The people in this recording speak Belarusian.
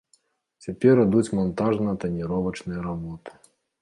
Цяпер ідуць мантажна-таніровачныя работы.